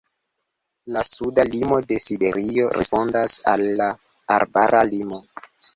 La suda limo de Siberio respondas al la arbara limo.